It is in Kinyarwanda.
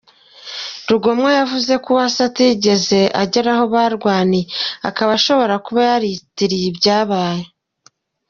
Rugomwa, yavuze ko Uwase atigeze agera aho barwaniye, akaba ashobora kuba yariyitiriye ibyabaye.